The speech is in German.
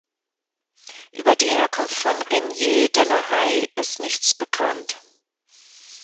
Über die Herkunft von Reinier de la Haye ist nichts bekannt.